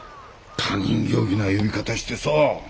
他人行儀な呼び方してさ。